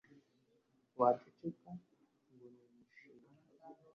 waceceka ngo ni umushiha.